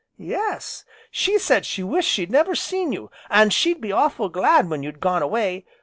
"Yes; she said she wished she'd never seen you, an' she'd be awful' glad when you'd gone away.